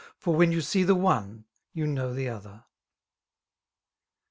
For when you see the one, you know the other.